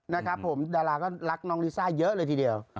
นะครับผมดาราก็รักน้องลิซ่าเยอะเลยทีเดียว